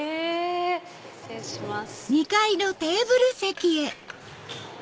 失礼します。